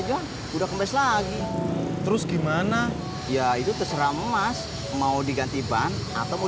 bawa keputusannya yang melemahkan tavcho